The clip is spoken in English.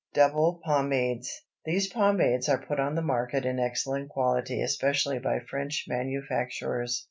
DOUBLE POMADES. These pomades are put on the market in excellent quality especially by French manufacturers.